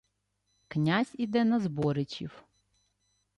Князь іде на Зборичів.